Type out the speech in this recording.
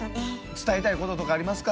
伝えたいこととかありますか？